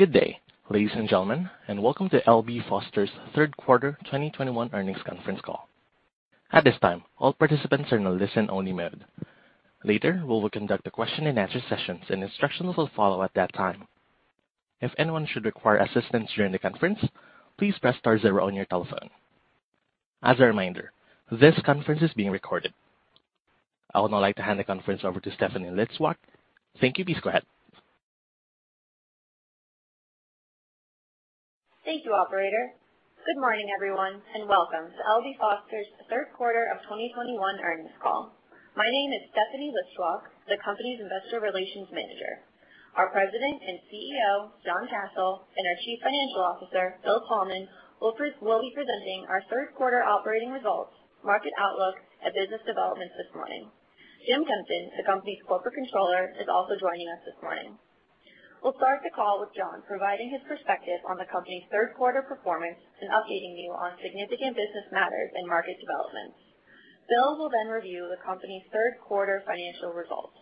Good day, ladies and gentlemen, and welcome to L.B. Foster's third quarter 2021 earnings conference call. At this time, all participants are in a listen-only mode. Later, we will conduct a question-and-answer session, and instructions will follow at that time. If anyone should require assistance during the conference, please press star zero on your telephone. As a reminder, this conference is being recorded. I would now like to hand the conference over to Stephanie Listwak. Thank you. Please go ahead. Thank you, operator. Good morning, everyone, and welcome to L.B. Foster's third quarter of 2021 earnings call. My name is Stephanie Listwak, the company's Investor Relations Manager. Our President and CEO, John Kasel, and our Chief Financial Officer, Bill Thalman, will be presenting our third quarter operating results, market outlook, and business developments this morning. Jim Kempen, the company's Corporate Controller, is also joining us this morning. We'll start the call with John providing his perspective on the company's third quarter performance and updating you on significant business matters and market developments. Bill will then review the company's third quarter financial results.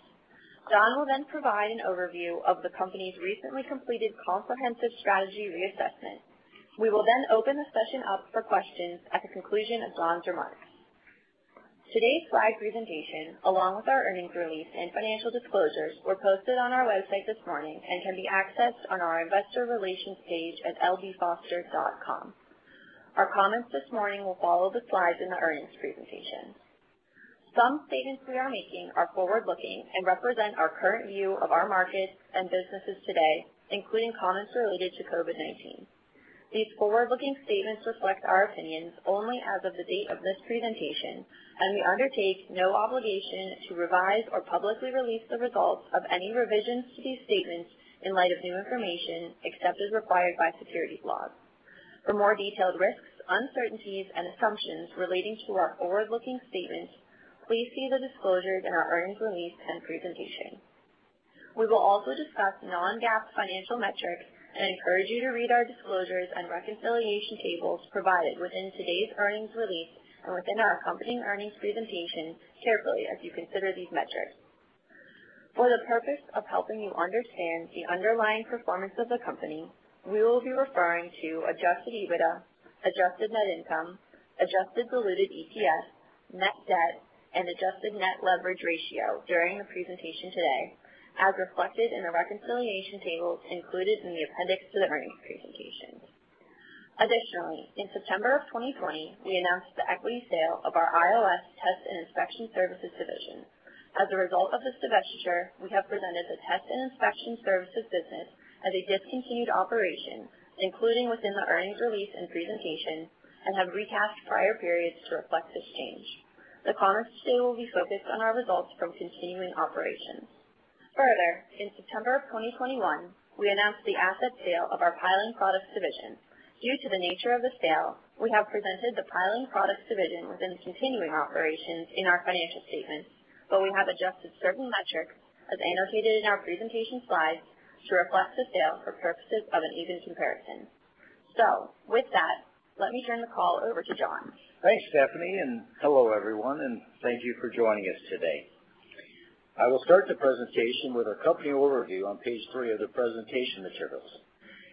John will then provide an overview of the company's recently completed comprehensive strategy reassessment. We will then open the session up for questions at the conclusion of John's remarks. Today's slide presentation along with our earnings release and financial disclosures were posted on our website this morning and can be accessed on our investor relations page at lbfoster.com. Our comments this morning will follow the slides in the earnings presentation. Some statements we are making are forward-looking and represent our current view of our markets and businesses today, including comments related to COVID-19. These forward-looking statements reflect our opinions only as of the date of this presentation, and we undertake no obligation to revise or publicly release the results of any revisions to these statements in light of new information, except as required by securities laws. For more detailed risks, uncertainties, and assumptions relating to our forward-looking statements, please see the disclosures in our earnings release and presentation. We will also discuss non-GAAP financial metrics and encourage you to read our disclosures and reconciliation tables provided within today's earnings release and within our accompanying earnings presentation carefully as you consider these metrics. For the purpose of helping you understand the underlying performance of the company, we will be referring to adjusted EBITDA, adjusted net income, adjusted diluted EPS, net debt, and adjusted net leverage ratio during the presentation today, as reflected in the reconciliation tables included in the appendix to the earnings presentation. Additionally, in September of 2020, we announced the equity sale of our IOS Test and Inspection Services division. As a result of this divestiture, we have presented the Test and Inspection Services business as a discontinued operation, including within the earnings release and presentation, and have recast prior periods to reflect this change. The comments today will be focused on our results from continuing operations. Further, in September of 2021, we announced the asset sale of our Piling Products division. Due to the nature of the sale, we have presented the Piling Products division within continuing operations in our financial statements, but we have adjusted certain metrics as annotated in our presentation slides to reflect the sale for purposes of an even comparison. With that, let me turn the call over to John. Thanks, Stephanie, and hello everyone, and thank you for joining us today. I will start the presentation with a company overview on page three of the presentation materials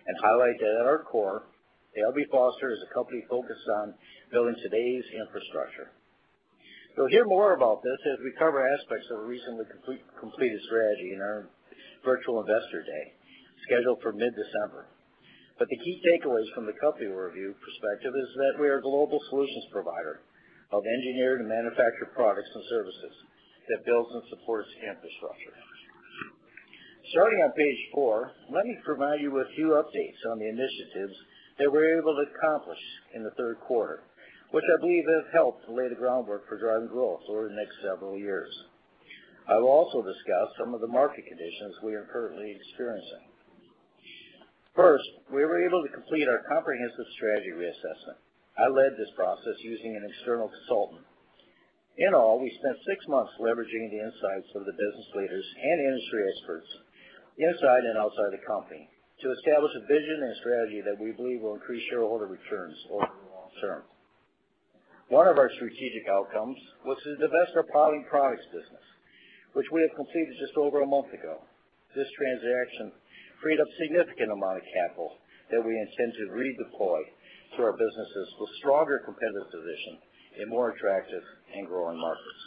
and highlight that at our core, L.B. Foster is a company focused on building today's infrastructure. You'll hear more about this as we cover aspects of a recently completed strategy in our virtual Investor Day scheduled for mid-December. The key takeaways from the company overview perspective is that we are a global solutions provider of engineered and manufactured products and services that builds and supports infrastructure. Starting on page four, let me provide you with a few updates on the initiatives that we're able to accomplish in the third quarter, which I believe have helped to lay the groundwork for driving growth over the next several years. I will also discuss some of the market conditions we are currently experiencing. First, we were able to complete our comprehensive strategy reassessment. I led this process using an external consultant. In all, we spent six months leveraging the insights of the business leaders and industry experts inside and outside the company to establish a vision and strategy that we believe will increase shareholder returns over the long term. One of our strategic outcomes was to divest our Piling Products business, which we have completed just over a month ago. This transaction freed up significant amount of capital that we intend to redeploy to our businesses with stronger competitive position in more attractive and growing markets.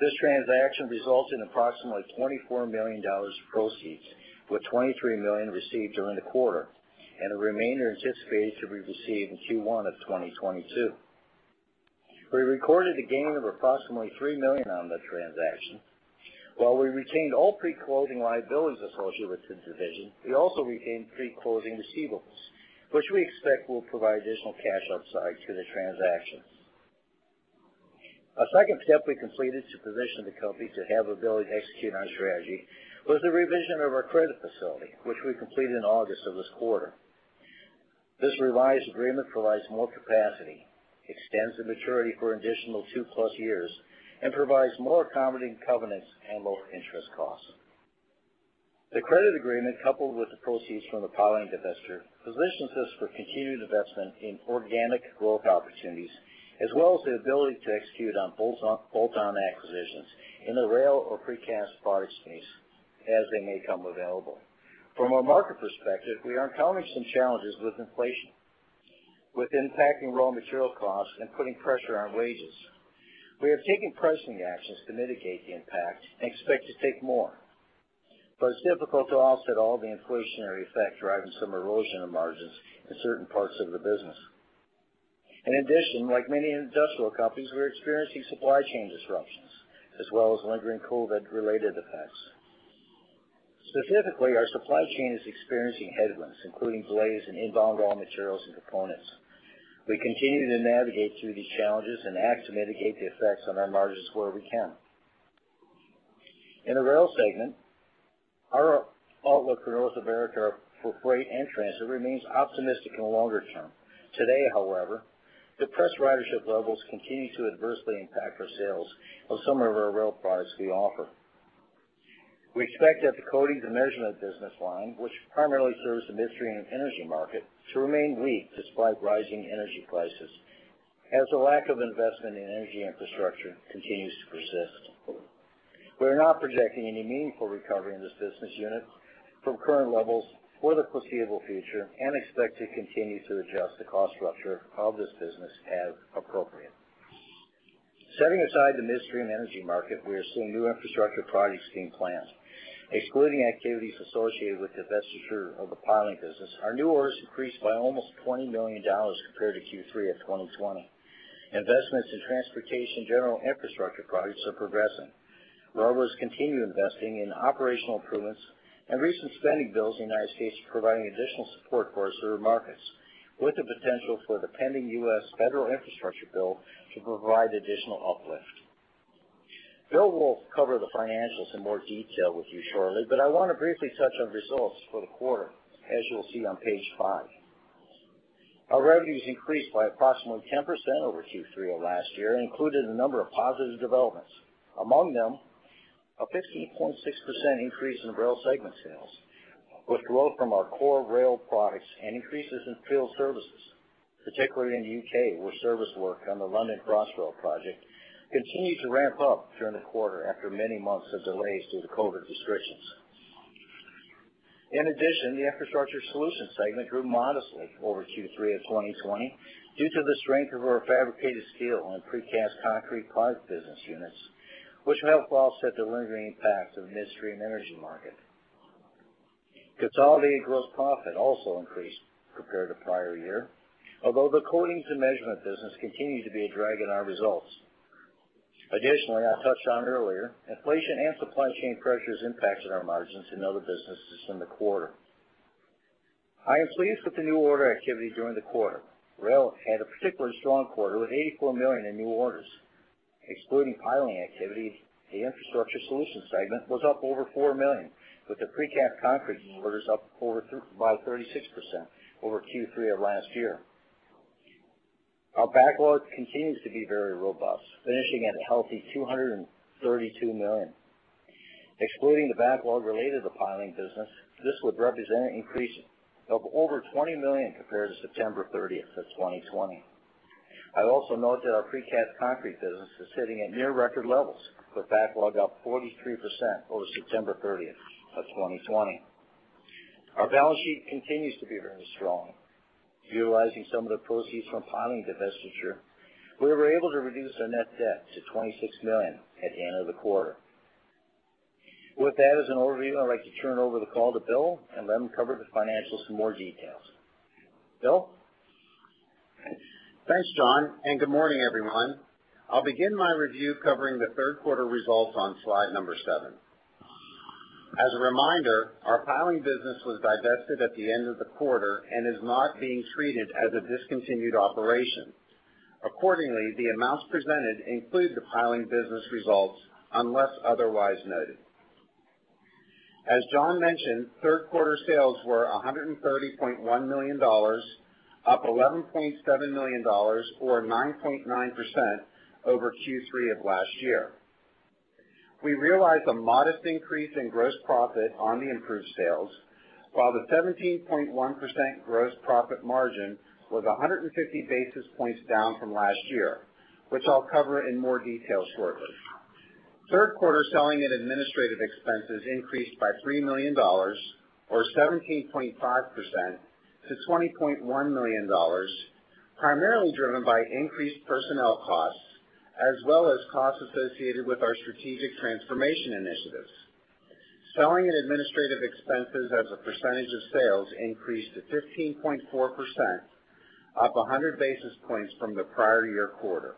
This transaction results in approximately $24 million of proceeds, with $23 million received during the quarter, and the remainder anticipated to be received in Q1 of 2022. We recorded a gain of approximately $3 million on the transaction. While we retained all pre-closing liabilities associated with the division, we also retained pre-closing receivables, which we expect will provide additional cash upside to the transaction. A second step we completed to position the company to have ability to execute on our strategy was the revision of our credit facility, which we completed in August of this quarter. This revised agreement provides more capacity, extends the maturity for an additional two-plus years, and provides more accommodating covenants and lower interest costs. The credit agreement, coupled with the proceeds from the Piling divestiture, positions us for continued investment in organic growth opportunities, as well as the ability to execute on bolt-on acquisitions in the rail or precast products niche as they may come available. From a market perspective, we are encountering some challenges with inflation impacting raw material costs and putting pressure on wages. We are taking pricing actions to mitigate the impact and expect to take more. It's difficult to offset all the inflationary effects driving some erosion of margins in certain parts of the business. In addition, like many industrial companies, we're experiencing supply chain disruptions as well as lingering COVID-related effects. Specifically, our supply chain is experiencing headwinds, including delays in inbound raw materials and components. We continue to navigate through these challenges and act to mitigate the effects on our margins where we can. In the Rail segment, our outlook for North America for freight and transit remains optimistic in the longer term. Today, however, depressed ridership levels continue to adversely impact our sales of some of our rail products we offer. We expect that the Coatings and Measurement business line, which primarily serves the midstream energy market, to remain weak despite rising energy prices, as the lack of investment in energy infrastructure continues to persist. We're not projecting any meaningful recovery in this business unit from current levels for the foreseeable future and expect to continue to adjust the cost structure of this business as appropriate. Setting aside the midstream energy market, we are seeing new infrastructure projects being planned. Excluding activities associated with the divestiture of the Piling business, our new orders increased by almost $20 million compared to Q3 2020. Investments in transportation general infrastructure projects are progressing. Railroads continue investing in operational improvements and recent spending bills in the United States providing additional support for our served markets, with the potential for the pending U.S. federal infrastructure bill to provide additional uplift. Bill will cover the financials in more detail with you shortly, but I wanna briefly touch on results for the quarter, as you'll see on page five. Our revenues increased by approximately 10% over Q3 of last year and included a number of positive developments. Among them, a 15.6% increase in Rail segment sales, with growth from our core rail products and increases in field services, particularly in the U.K., where service work on the London Crossrail project continued to ramp up during the quarter after many months of delays due to COVID restrictions. In addition, the Infrastructure Solutions segment grew modestly over Q3 of 2020 due to the strength of our fabricated steel and precast concrete product business units, which helped offset the lingering impacts of the midstream energy market. Consolidated gross profit also increased compared to prior year. Although the Coatings and Measurement business continued to be a drag in our results. Additionally, I touched on earlier, inflation and supply chain pressures impacted our margins in other businesses in the quarter. I am pleased with the new order activity during the quarter. Rail had a particularly strong quarter with $84 million in new orders. Excluding Piling activity, the Infrastructure Solutions segment was up over $4 million, with the precast concrete orders up 36% over Q3 of last year. Our backlog continues to be very robust, finishing at a healthy $232 million. Excluding the backlog related to the Piling business, this would represent an increase of over $20 million compared to September 30, 2020. I'd also note that our precast concrete business is sitting at near record levels, with backlog up 43% over September 30, 2020. Our balance sheet continues to be very strong. Utilizing some of the proceeds from Piling divestiture, we were able to reduce our net debt to $26 million at the end of the quarter. With that as an overview, I'd like to turn over the call to Bill and let him cover the financials in more details. Bill? Thanks, John, and good morning, everyone. I'll begin my review covering the third quarter results on slide number seven. As a reminder, our Piling business was divested at the end of the quarter and is not being treated as a discontinued operation. Accordingly, the amounts presented include the Piling business results unless otherwise noted. As John mentioned, third quarter sales were $130.1 million, up $11.7 million or 9.9% over Q3 of last year. We realized a modest increase in gross profit on the improved sales, while the 17.1% gross profit margin was 150 basis points down from last year, which I'll cover in more detail shortly. Third quarter selling and administrative expenses increased by $3 million or 17.5% to $20.1 million, primarily driven by increased personnel costs as well as costs associated with our strategic transformation initiatives. Selling and administrative expenses as a percentage of sales increased to 15.4%, up 100 basis points from the prior year quarter.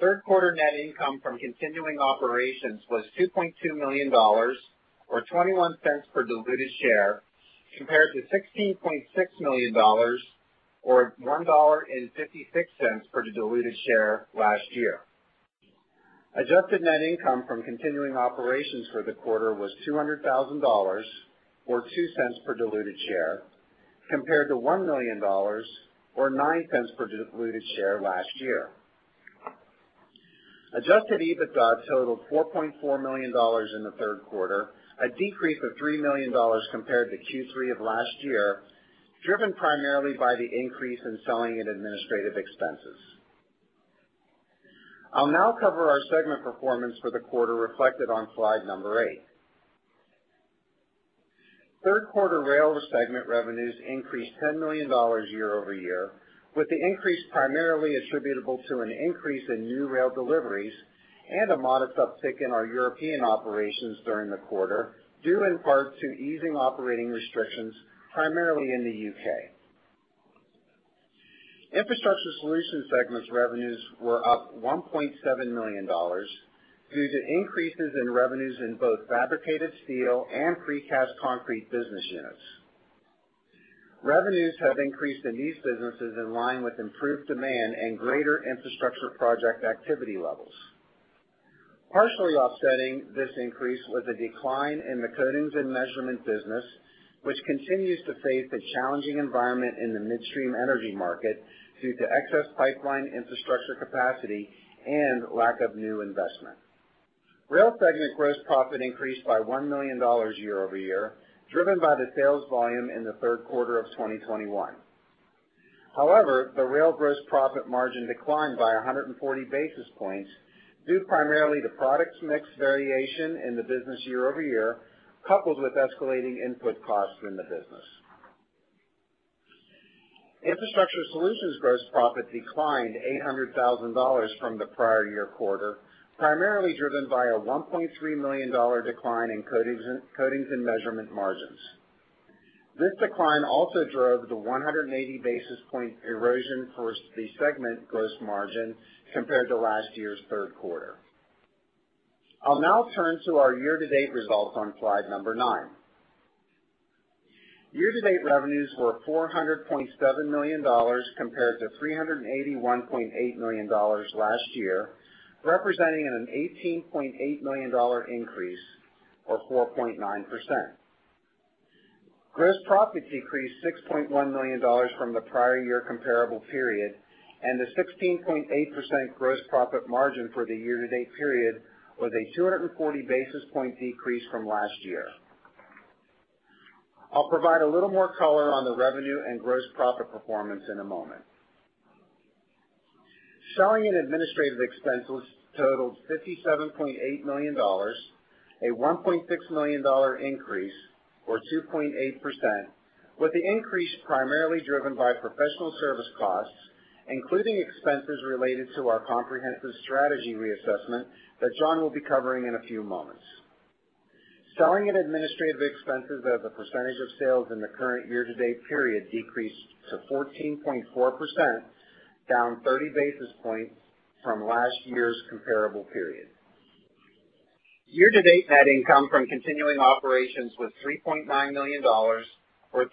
Third quarter net income from continuing operations was $2.2 million or $0.21 per diluted share, compared to $16.6 million or $1.56 per diluted share last year. Adjusted net income from continuing operations for the quarter was $200,000 or $0.02 per diluted share, compared to $1 million or $0.09 per diluted share last year. Adjusted EBITDA totaled $4.4 million in the third quarter, a decrease of $3 million compared to Q3 of last year, driven primarily by the increase in selling and administrative expenses. I'll now cover our segment performance for the quarter reflected on slide number eight. Third quarter Rail segment revenues increased $10 million year-over-year, with the increase primarily attributable to an increase in new Rail deliveries and a modest uptick in our European operations during the quarter, due in part to easing operating restrictions primarily in the U.K. Infrastructure Solutions segment's revenues were up $1.7 million due to increases in revenues in both fabricated steel and precast concrete business units. Revenues have increased in these businesses in line with improved demand and greater infrastructure project activity levels. Partially offsetting this increase was a decline in the Coatings and Measurement business, which continues to face a challenging environment in the midstream energy market due to excess pipeline infrastructure capacity and lack of new investment. Rail segment gross profit increased by $1 million year-over-year, driven by the sales volume in Q3 2021. However, the Rail gross profit margin declined by 140 basis points due primarily to product mix variation in the business year-over-year, coupled with escalating input costs in the business. Infrastructure Solutions gross profit declined $800,000 from the prior-year quarter, primarily driven by a $1.3 million decline in Coatings and Measurement margins. This decline also drove the 180 basis point erosion for the segment gross margin compared to last year's third quarter. I'll now turn to our year-to-date results on slide nine. Year-to-date revenues were $400.7 million compared to $381.8 million last year, representing an $18.8 million increase, or 4.9%. Gross profit decreased $6.1 million from the prior year comparable period, and the 16.8% gross profit margin for the year-to-date period was a 240 basis point decrease from last year. I'll provide a little more color on the revenue and gross profit performance in a moment. Selling and administrative expenses totaled $57.8 million, a $1.6 million increase, or 2.8%, with the increase primarily driven by professional service costs, including expenses related to our comprehensive strategy reassessment that John will be covering in a few moments. Selling and administrative expenses as a percentage of sales in the current year-to-date period decreased to 14.4%, down 30 basis points from last year's comparable period. Year-to-date net income from continuing operations was $3.9 million, or $0.36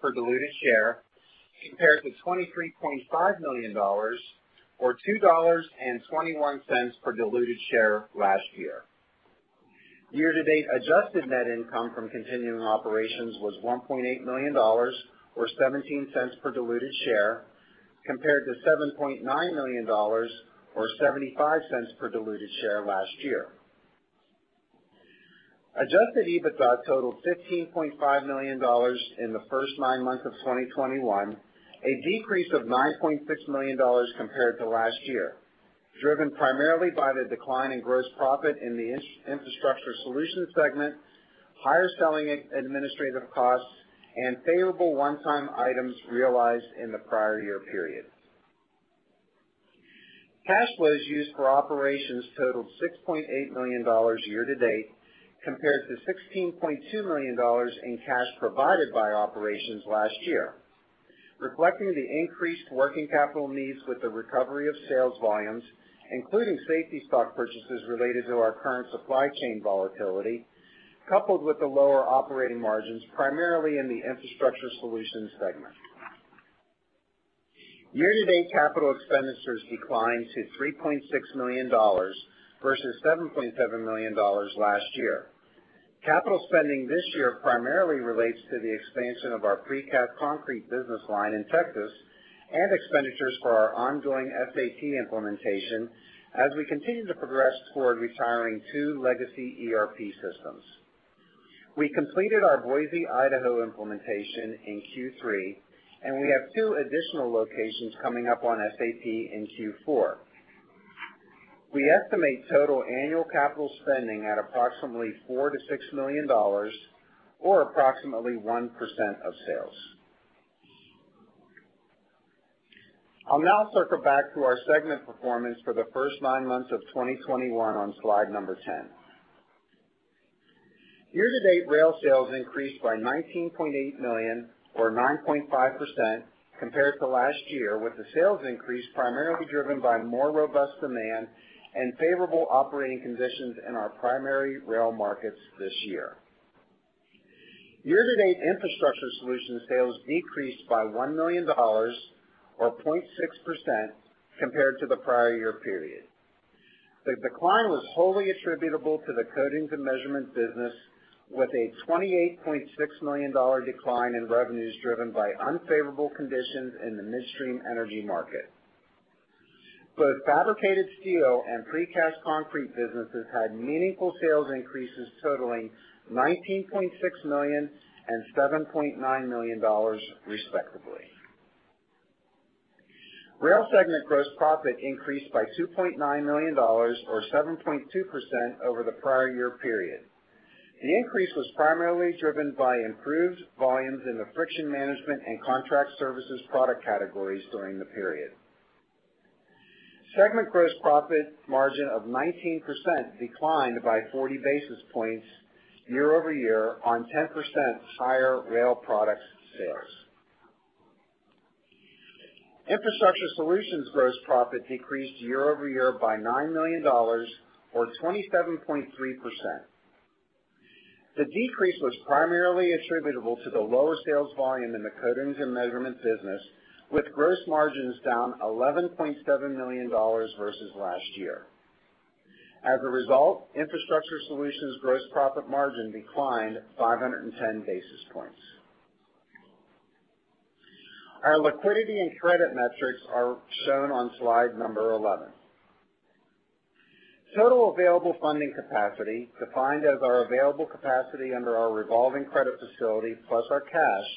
per diluted share, compared to $23.5 million or $2.21 per diluted share last year. Year-to-date adjusted net income from continuing operations was $1.8 million, or $0.17 per diluted share, compared to $7.9 million or $0.75 per diluted share last year. Adjusted EBITDA totaled $15.5 million in the first nine months of 2021, a decrease of $9.6 million compared to last year, driven primarily by the decline in gross profit in the Infrastructure Solutions segment, higher SG&A costs, and favorable one-time items realized in the prior year period. Cash flows used for operations totaled $6.8 million year to date, compared to $16.2 million in cash provided by operations last year, reflecting the increased working capital needs with the recovery of sales volumes, including safety stock purchases related to our current supply chain volatility, coupled with the lower operating margins, primarily in the Infrastructure Solutions segment. Year-to-date capital expenditures declined to $3.6 million versus $7.7 million last year. Capital spending this year primarily relates to the expansion of our precast concrete business line in Texas and expenditures for our ongoing SAP implementation as we continue to progress toward retiring two legacy ERP systems. We completed our Boise, Idaho implementation in Q3, and we have two additional locations coming up on SAP in Q4. We estimate total annual capital spending at approximately $4 million-$6 million or approximately 1% of sales. I'll now circle back to our segment performance for the first nine months of 2021 on slide number 10. Year-to-date rail sales increased by $19.8 million or 9.5% compared to last year, with the sales increase primarily driven by more robust demand and favorable operating conditions in our primary rail markets this year. Year-to-date Infrastructure Solutions sales decreased by $1 million or 0.6% compared to the prior year period. The decline was wholly attributable to the Coatings and Measurement business, with a $28.6 million decline in revenues driven by unfavorable conditions in the midstream energy market. Both fabricated steel and precast concrete businesses had meaningful sales increases totaling $19.6 million and $7.9 million, respectively. Rail segment gross profit increased by $2.9 million, or 7.2% over the prior year period. The increase was primarily driven by improved volumes in the Friction Management and Contract Services product categories during the period. Segment gross profit margin of 19% declined by 40 basis points year-over-year on 10% higher rail products sales. Infrastructure Solutions gross profit decreased year-over-year by $9 million, or 27.3%. The decrease was primarily attributable to the lower sales volume in the Coatings and Measurement business, with gross margins down $11.7 million versus last year. As a result, Infrastructure Solutions gross profit margin declined 510 basis points. Our liquidity and credit metrics are shown on slide 11. Total available funding capacity, defined as our available capacity under our revolving credit facility, plus our cash,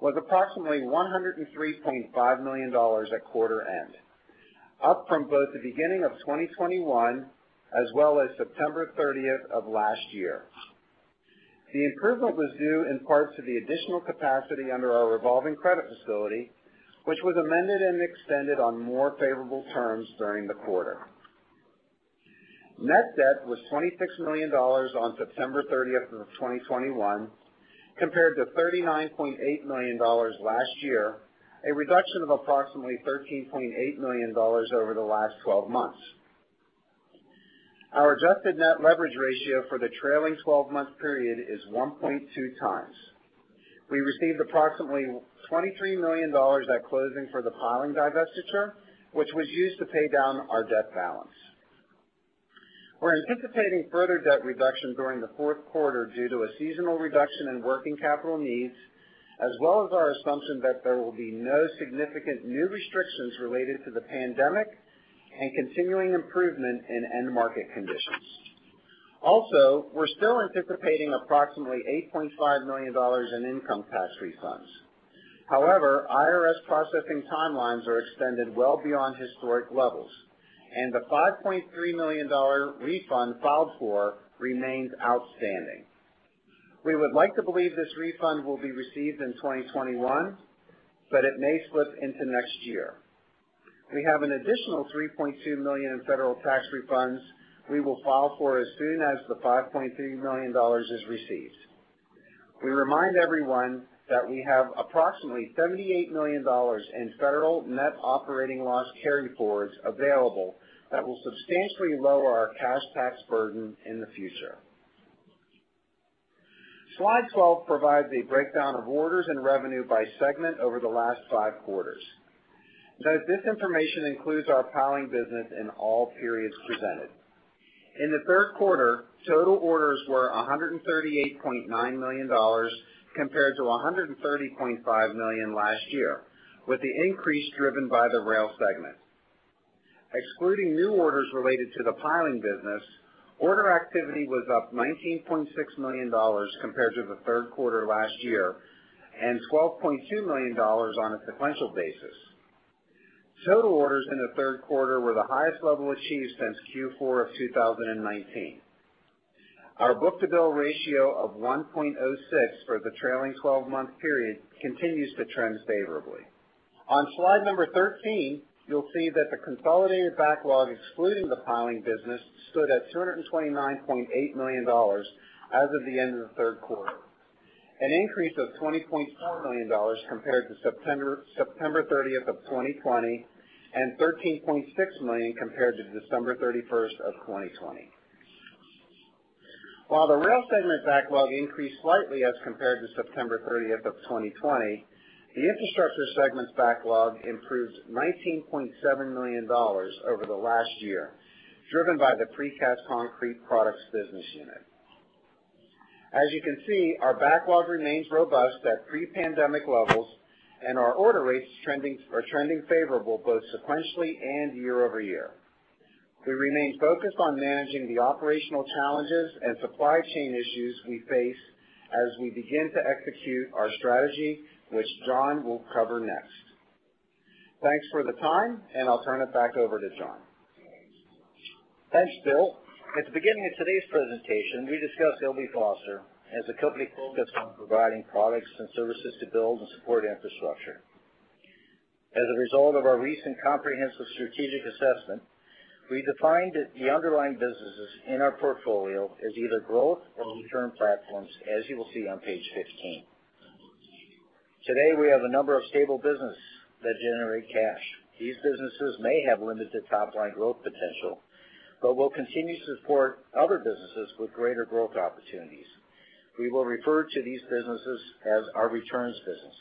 was approximately $103.5 million at quarter end, up from both the beginning of 2021 as well as September 30 of last year. The improvement was due in part to the additional capacity under our revolving credit facility, which was amended and extended on more favorable terms during the quarter. Net debt was $26 million on September 30, 2021, compared to $39.8 million last year, a reduction of approximately $13.8 million over the last 12 months. Our adjusted net leverage ratio for the trailing 12-month period is 1.2x. We received approximately $23 million at closing for the Piling divestiture, which was used to pay down our debt balance. We're anticipating further debt reduction during the fourth quarter due to a seasonal reduction in working capital needs, as well as our assumption that there will be no significant new restrictions related to the pandemic and continuing improvement in end market conditions. Also, we're still anticipating approximately $8.5 million in income tax refunds. However, IRS processing timelines are extended well beyond historic levels, and the $5.3 million refund filed for remains outstanding. We would like to believe this refund will be received in 2021, but it may slip into next year. We have an additional $3.2 million in federal tax refunds we will file for as soon as the $5.3 million is received. We remind everyone that we have approximately $78 million in federal net operating loss carryforwards available that will substantially lower our cash tax burden in the future. Slide 12 provides a breakdown of orders and revenue by segment over the last five quarters. Note this information includes our Piling business in all periods presented. In the third quarter, total orders were $138.9 million compared to $130.5 million last year, with the increase driven by the Rail segment. Excluding new orders related to the Piling business, order activity was up $19.6 million compared to the third quarter last year and $12.2 million on a sequential basis. Total orders in the third quarter were the highest level achieved since Q4 of 2019. Our book-to-bill ratio of 1.06 for the trailing 12-month period continues to trend favorably. On slide 13, you'll see that the consolidated backlog, excluding the Piling business, stood at $229.8 million as of the end of the third quarter, an increase of $20.4 million compared to September 30, 2020 and $13.6 million compared to December 31, 2020. While the Rail segment backlog increase d slightly as compared to September 30, 2020, the Infrastructure segment's backlog improved $19.7 million over the last year, driven by the Precast Concrete Products business unit. As you can see, our backlog remains robust at pre-pandemic levels, and our order rates are trending favorable both sequentially and year-over-year. We remain focused on managing the operational challenges and supply chain issues we face as we begin to execute our strategy, which John will cover next. Thanks for the time, and I'll turn it back over to John. Thanks, Bill. At the beginning of today's presentation, we discussed L.B. Foster as a company focused on providing products and services to build and support infrastructure. As a result of our recent comprehensive strategic assessment, we defined the underlying businesses in our portfolio as either growth or return platforms, as you will see on page 15. Today, we have a number of stable business that generate cash. These businesses may have limited top-line growth potential, but will continue to support other businesses with greater growth opportunities. We will refer to these businesses as our returns business.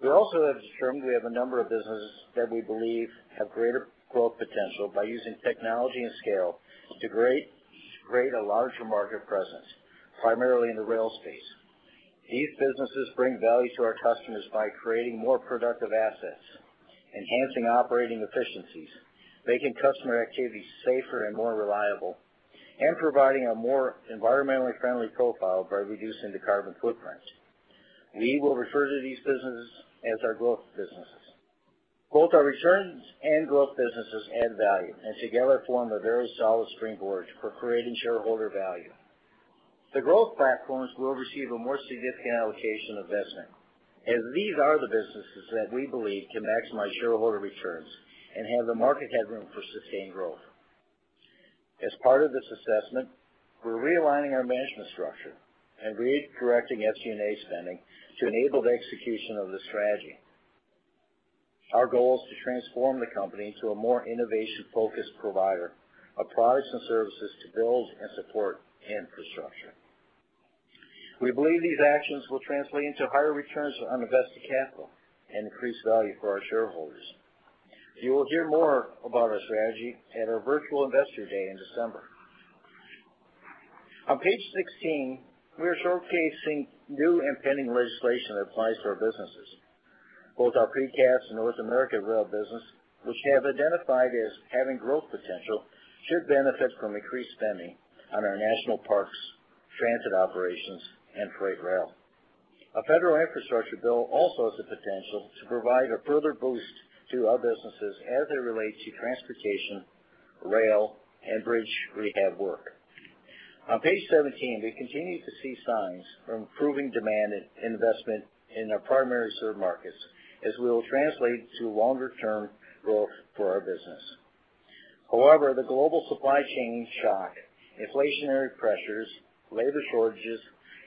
We also have determined we have a number of businesses that we believe have greater growth potential by using technology and scale to create a larger market presence, primarily in the Rail space. These businesses bring value to our customers by creating more productive assets, enhancing operating efficiencies, making customer activities safer and more reliable, providing a more environmentally friendly profile by reducing the carbon footprint. We will refer to these businesses as our growth businesses. Both our returns and growth businesses add value, and together form a very solid springboard for creating shareholder value. The growth platforms will receive a more significant allocation investment, as these are the businesses that we believe can maximize shareholder returns and have the market headroom for sustained growth. As part of this assessment, we're realigning our management structure and redirecting SG&A spending to enable the execution of the strategy. Our goal is to transform the company into a more innovation-focused provider of products and services to build and support infrastructure. We believe these actions will translate into higher returns on invested capital and increase value for our shareholders. You will hear more about our strategy at our virtual Investor Day in December. On page 16, we are showcasing new and pending legislation that applies to our businesses. Both our Precast and North America Rail business, which we have identified as having growth potential, should benefit from increased spending on our national parks, transit operations, and freight rail. A federal infrastructure bill also has the potential to provide a further boost to our businesses as it relates to transportation, rail, and bridge rehab work. On page 17, we continue to see signs of improving demand and investment in our primary served markets, as this will translate to longer-term growth for our business. However, the global supply chain shock, inflationary pressures, labor shortages,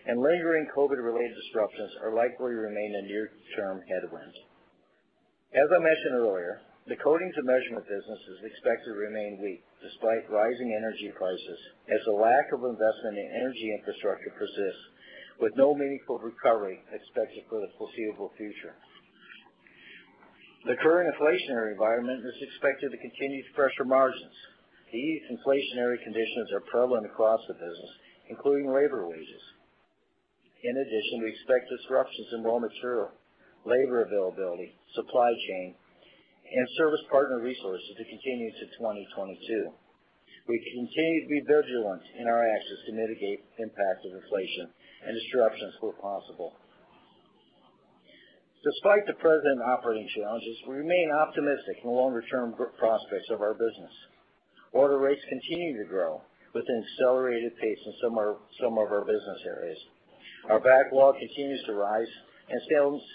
and lingering COVID-related disruptions are likely to remain a near-term headwind. As I mentioned earlier, the Coatings and Measurement business is expected to remain weak despite rising energy prices, as the lack of investment in energy infrastructure persists, with no meaningful recovery expected for the foreseeable future. The current inflationary environment is expected to continue to pressure margins. These inflationary conditions are prevalent across the business, including labor wages. In addition, we expect disruptions in raw material, labor availability, supply chain, and service partner resources to continue to 2022. We continue to be vigilant in our actions to mitigate the impact of inflation and disruptions where possible. Despite the present operating challenges, we remain optimistic in the longer-term prospects of our business. Order rates continue to grow with an accelerated pace in some of our business areas. Our backlog continues to rise and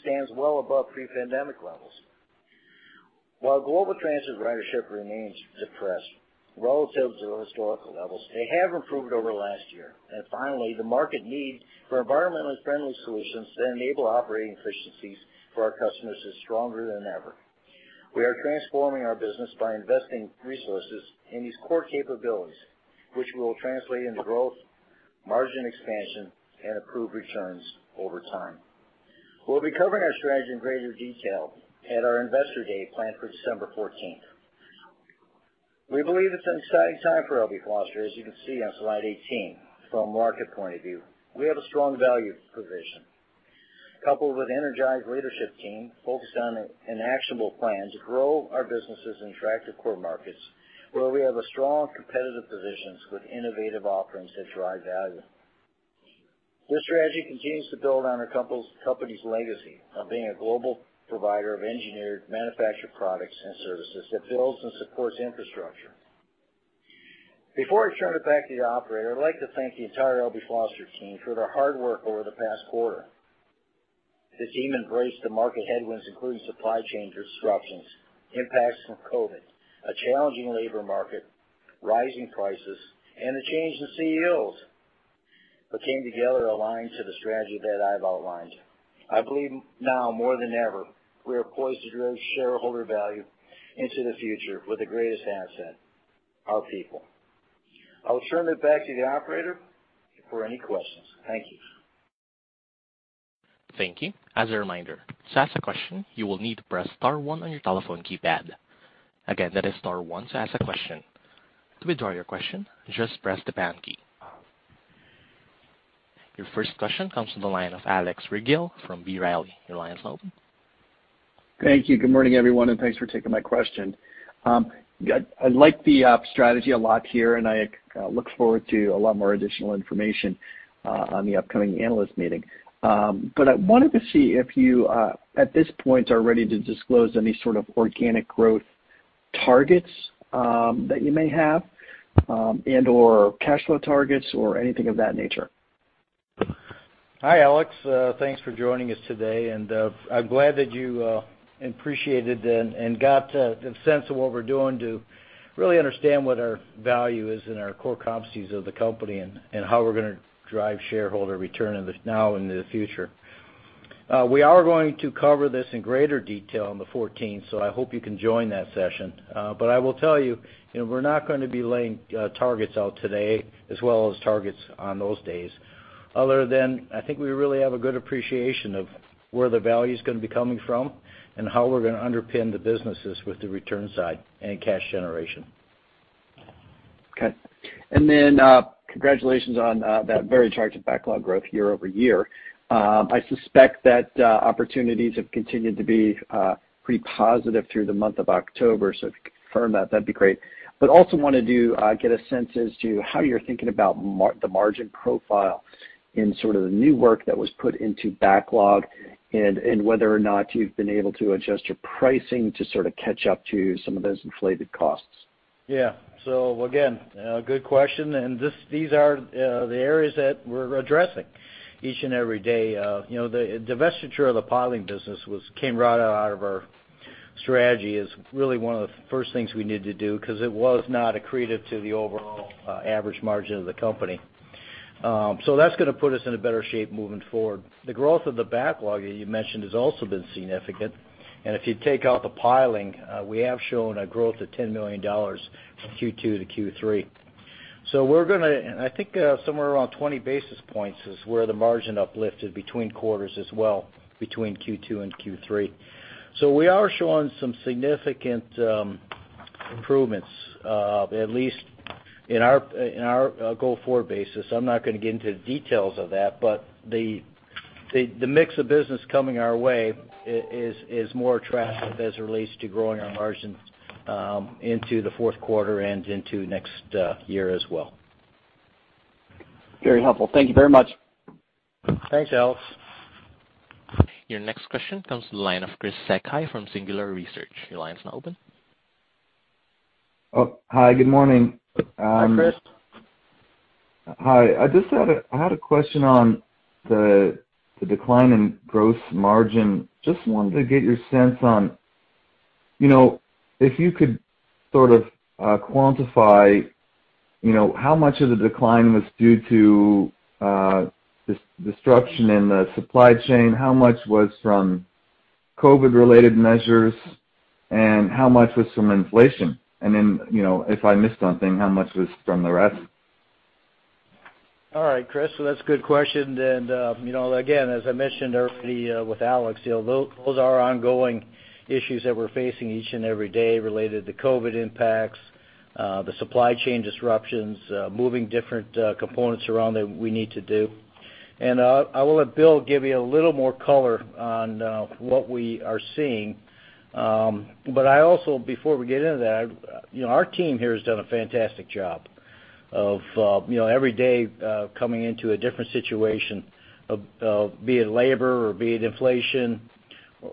stands well above pre-pandemic levels. While global transit ridership remains depressed relative to historical levels, they have improved over the last year. Finally, the market need for environmentally friendly solutions that enable operating efficiencies for our customers is stronger than ever. We are transforming our business by investing resources in these core capabilities, which will translate into growth, margin expansion, and improved returns over time. We'll be covering our strategy in greater detail at our Investor Day planned for December 14th. We believe it's an exciting time for L.B. Foster, as you can see on slide 18, from a market point of view. We have a strong value proposition, coupled with energized leadership team focused on an actionable plan to grow our businesses in attractive core markets, where we have a strong competitive positions with innovative offerings that drive value. This strategy continues to build on our company's legacy of being a global provider of engineered manufactured products and services that builds and supports infrastructure. Before I turn it back to the operator, I'd like to thank the entire L.B. Foster team for their hard work over the past quarter. The team embraced the market headwinds, including supply chain disruptions, impacts from COVID, a challenging labor market, rising prices, and a change in CEOs, but came together aligned to the strategy that I've outlined. I believe now more than ever, we are poised to grow shareholder value into the future with the greatest asset, our people. I will turn it back to the operator for any questions. Thank you. Thank you. As a reminder, to ask a question, you will need to press star one on your telephone keypad. Again, that is star one to ask a question. To withdraw your question, just press the pound key. Your first question comes from the line of Alex Rygiel from B. Riley. Your line is open. Thank you. Good morning, everyone, and thanks for taking my question. Yeah, I like the strategy a lot here, and I look forward to a lot more additional information on the upcoming analyst meeting. I wanted to see if you, at this point, are ready to disclose any sort of organic growth targets that you may have and/or cash flow targets or anything of that nature. Hi, Alex. Thanks for joining us today, and I'm glad that you appreciated and got the sense of what we're doing to really understand what our value is and our core competencies of the company and how we're gonna drive shareholder return in the now and in the future. We are going to cover this in greater detail on the 14th, so I hope you can join that session. I will tell you know, we're not gonna be laying targets out today as well as targets on those days, other than I think we really have a good appreciation of where the value's gonna be coming from and how we're gonna underpin the businesses with the return side and cash generation. Okay. Congratulations on that very charged backlog growth year over year. I suspect that opportunities have continued to be pretty positive through the month of October. If you could confirm that'd be great. Also wanted to get a sense as to how you're thinking about the margin profile in sort of the new work that was put into backlog and whether or not you've been able to adjust your pricing to sort of catch up to some of those inflated costs. Yeah. Again, a good question, and these are the areas that we're addressing each and every day. You know, the divestiture of the Piling business came right out of our strategy is really one of the first things we needed to do 'cause it was not accretive to the overall average margin of the company. That's gonna put us in a better shape moving forward. The growth of the backlog, as you mentioned, has also been significant. If you take out the Piling, we have shown a growth of $10 million from Q2 to Q3. I think somewhere around 20 basis points is where the margin uplift is between quarters as well, between Q2 and Q3. We are showing some significant improvements at least in our go-forward basis. I'm not gonna get into the details of that, but the mix of business coming our way is more attractive as it relates to growing our margins into the fourth quarter and into next year as well. Very helpful. Thank you very much. Thanks, Alex. Your next question comes from the line of Chris Sakai from Singular Research. Your line's now open. Oh, hi, good morning. Hi, Chris. Hi. I just had a question on the decline in gross margin. Just wanted to get your sense on, you know, if you could sort of quantify, you know, how much of the decline was due to disruption in the supply chain, how much was from COVID-related measures, and how much was from inflation? You know, if I missed something, how much was from the rest? All right, Chris. That's a good question. You know, again, as I mentioned already, with Alex, you know, those are ongoing issues that we're facing each and every day related to COVID impacts, the supply chain disruptions, moving different components around that we need to do. I will let Bill give you a little more color on what we are seeing. Before we get into that, you know, our team here has done a fantastic job of, you know, every day coming into a different situation of be it labor or be it inflation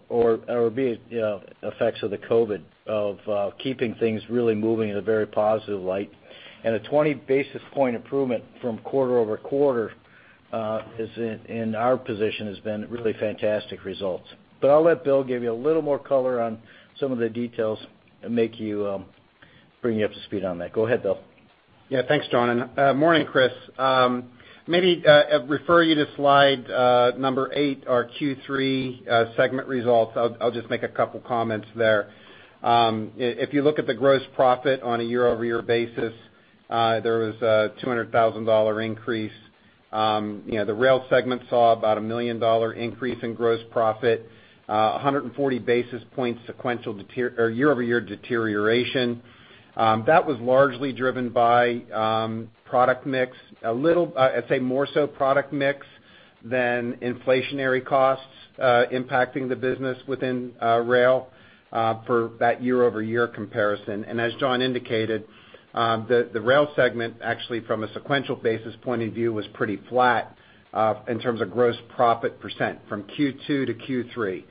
or be it, you know, effects of the COVID of keeping things really moving in a very positive light. A 20 basis point improvement from quarter-over-quarter in our position has been really fantastic results. I'll let Bill give you a little more color on some of the details and bring you up to speed on that. Go ahead, Bill. Yeah. Thanks, John. Morning, Chris. Maybe refer you to slide number eight, our Q3 segment results. I'll just make a couple comments there. If you look at the gross profit on a year-over-year basis, there was a $200,000 increase. You know, the Rail segment saw about a $1 million increase in gross profit, 140 basis points sequential deterioration or year-over-year deterioration. That was largely driven by product mix. I'd say more so product mix than inflationary costs impacting the business within Rail for that year-over-year comparison. As John indicated, the Rail segment, actually from a sequential basis point of view, was pretty flat in terms of gross profit % from Q2 to Q3.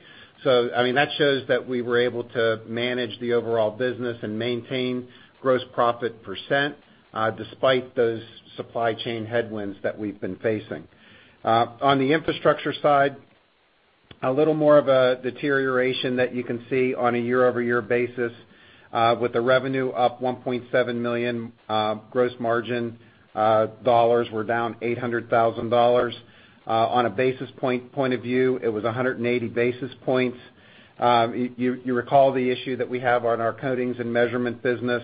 I mean, that shows that we were able to manage the overall business and maintain gross profit percent, despite those supply chain headwinds that we've been facing. On the infrastructure side, a little more of a deterioration that you can see on a year-over-year basis, with the revenue up $1.7 million, gross margin dollars were down $800,000. On a basis point of view, it was 180 basis points. You recall the issue that we have on our Coatings and Measurement business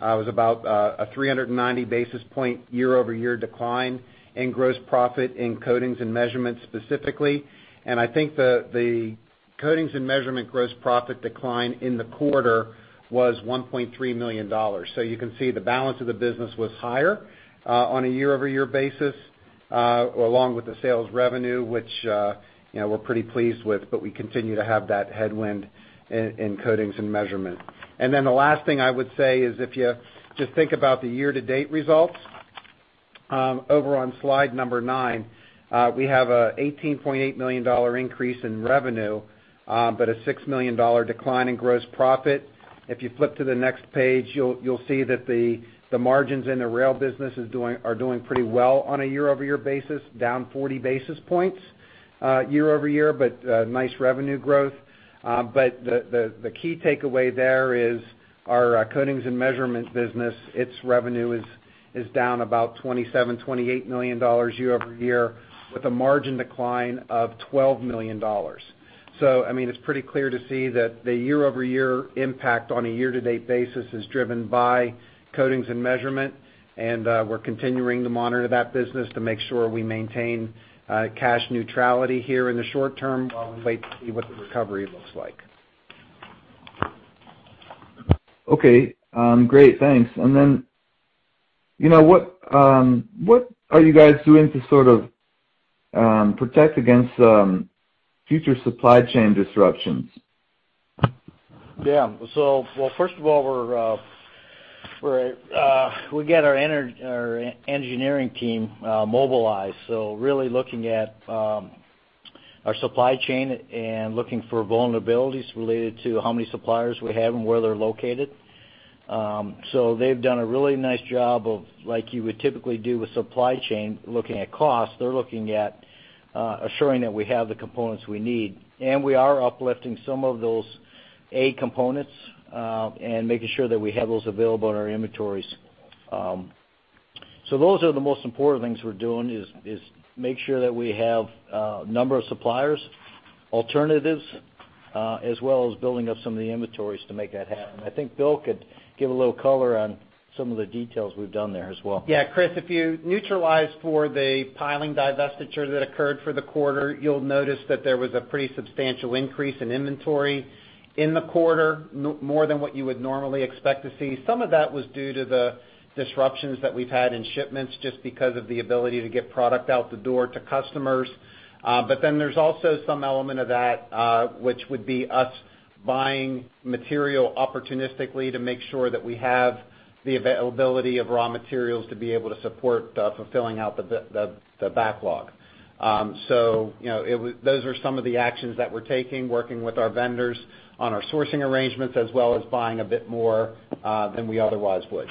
was about a 390 basis point year-over-year decline in gross profit in Coatings and Measurement specifically. I think the Coatings and Measurement gross profit decline in the quarter was $1.3 million. You can see the balance of the business was higher on a year-over-year basis along with the sales revenue, which, you know, we're pretty pleased with, but we continue to have that headwind in Coatings and Measurement. The last thing I would say is if you just think about the year-to-date results, over on slide number nine, we have a $18.8 million increase in revenue, but a $6 million decline in gross profit. If you flip to the next page, you'll see that the margins in the rail business are doing pretty well on a year-over-year basis, down 40 basis points year-over-year, but nice revenue growth. The key takeaway there is our Coatings and Measurement business. Its revenue is down about $27 million-$28 million year-over-year with a margin decline of $12 million. I mean, it's pretty clear to see that the year-over-year impact on a year-to-date basis is driven by Coatings and Measurement, and we're continuing to monitor that business to make sure we maintain cash neutrality here in the short term while we wait to see what the recovery looks like. Okay. Great. Thanks. You know, what are you guys doing to sort of protect against future supply chain disruptions? Well, first of all, we got our engineering team mobilized, so really looking at our supply chain and looking for vulnerabilities related to how many suppliers we have and where they're located. They've done a really nice job of like you would typically do with supply chain looking at cost. They're looking at assuring that we have the components we need, and we are uplifting some of those A components, and making sure that we have those available in our inventories. Those are the most important things we're doing is make sure that we have a number of suppliers, alternatives, as well as building up some of the inventories to make that happen. I think Bill could give a little color on some of the details we've done there as well. Yeah, Chris, if you neutralize for the Piling divestiture that occurred for the quarter, you'll notice that there was a pretty substantial increase in inventory in the quarter, more than what you would normally expect to see. Some of that was due to the disruptions that we've had in shipments, just because of the ability to get product out the door to customers. Then there's also some element of that, which would be us buying material opportunistically to make sure that we have the availability of raw materials to be able to support fulfilling the backlog. You know, those are some of the actions that we're taking, working with our vendors on our sourcing arrangements as well as buying a bit more than we otherwise would.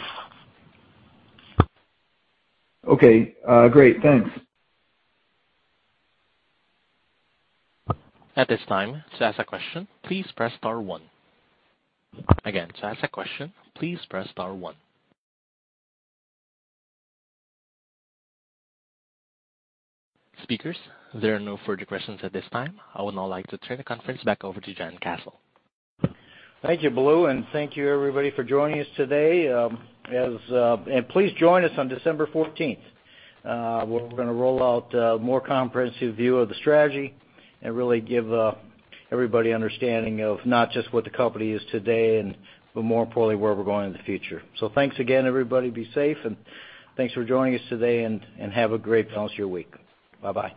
Okay. Great. Thanks. At this time, to ask a question, please press star one. Again, to ask a question, please press star one. Speakers, there are no further questions at this time. I would now like to turn the conference back over to John Kasel. Thank you, Blue, and thank you everybody for joining us today. Please join us on December 14th, we're gonna roll out a more comprehensive view of the strategy and really give everybody understanding of not just what the company is today, but more importantly, where we're going in the future. Thanks again, everybody. Be safe, and thanks for joining us today and have a great rest of your week. Bye-bye.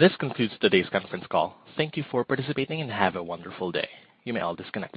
This concludes today's conference call. Thank you for participating and have a wonderful day. You may all disconnect.